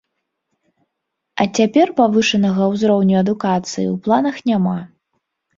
А цяпер павышанага ўзроўню адукацыі ў планах няма.